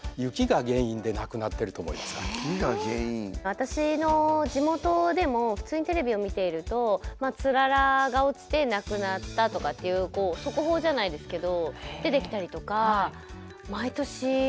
私の地元でも普通にテレビを見ているとつららが落ちて亡くなったとかっていう速報じゃないですけど出てきたりとか毎年何人かしてるな。